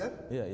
kamu kalau satu